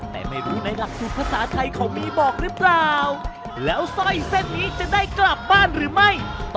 ถูกครับ